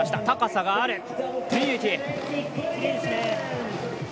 高さがある。